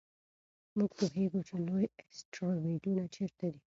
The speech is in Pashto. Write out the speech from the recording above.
موږ پوهېږو چې لوی اسټروېډونه چیرته دي.